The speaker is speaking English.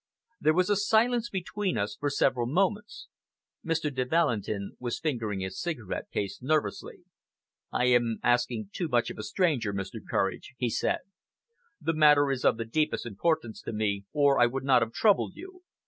There was a silence between us for several moments. Mr. de Valentin was fingering his cigarette case nervously. "I am perhaps asking too much of a stranger, Mr. Courage," he said. "The matter is of the deepest importance to me, or I would not have troubled you.